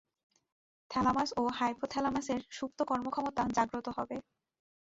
Thalamus ও হাইপোথ্যালামাসের সুপ্ত কর্মক্ষমতা জাগ্রত হবে।